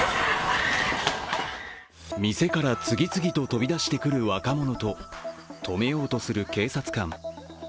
店から次々と飛び出してくる若者と止めようとする警察官。